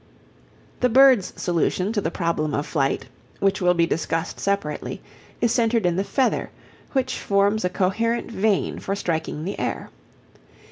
The bird's solution of the problem of flight, which will be discussed separately, is centred in the feather, which forms a coherent vane for striking the air.